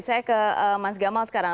saya ke mas gamal sekarang